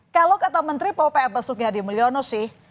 kalau kata menteri ppap besuknya di mulyono sih